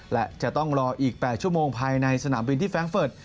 และจะต้องรออีก๘ชั่วโมงภายในสนามบินที่แร้งเฟิร์ต